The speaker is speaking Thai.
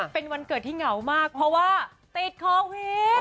เป็นวันเกิดที่เหงามากเพราะว่าติดโควิด